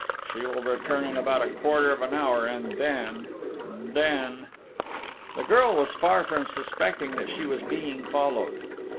She will return in about a quarter of an hour, and then ... then!..." The girl was far from suspecting that she was being followed.